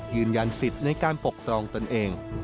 ยืนยันสิทธิ์ในการปกครองตนเอง